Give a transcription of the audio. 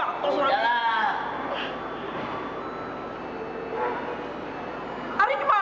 gagalin lu gatel